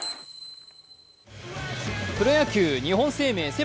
プロ野球日本生命セ